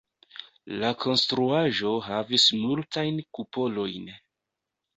La konstruaĵo havis multajn kupolojn.